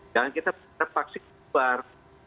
jangan kita vaksin keluar